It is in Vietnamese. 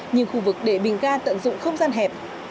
nhưng khu vực để bình ga tận dụng không gian hẹp